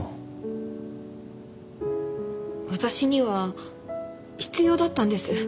私には必要だったんです。